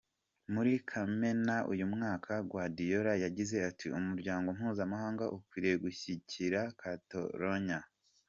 Muri kamena uyu mwaka, Guardiola yagize ati “Umuryango mpuzamahanga ukwiriye gushyigikira Catalogne.